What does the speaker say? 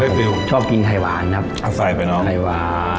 เป็นยังไงนะครับอืมชอบกินไข่หวานนะครับเอาใส่ไปน้องไข่หวาน